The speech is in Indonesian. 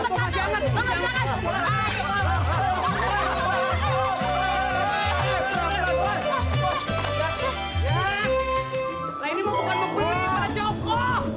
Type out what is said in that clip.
lah ini mah bukan membeli para joko